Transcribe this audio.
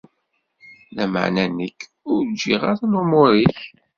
Lameɛna nekk, ur ǧǧiɣ ara lumuṛ-ik.